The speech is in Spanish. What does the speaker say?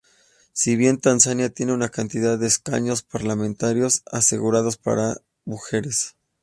Si bien Tanzania tiene una cantidad de escaños parlamentarios asegurados para mujeres.